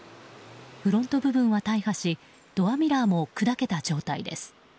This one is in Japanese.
フロント部分が大破しドアミラーも砕けた状態です。